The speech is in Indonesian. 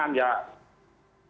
ya jangan dipukulin seperti itu